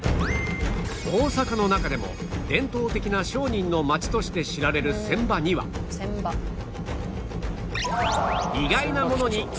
大阪の中でも伝統的な商人の町として知られる船場にはが古くからあるという